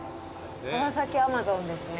川崎アマゾンですね。